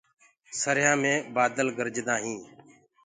سرهي مي بآدل گرجدآ هينٚ